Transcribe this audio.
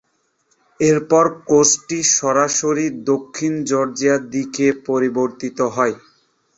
এরপর কোর্সটি সরাসরি দক্ষিণ জর্জিয়ার দিকে পরিবর্তিত হয়।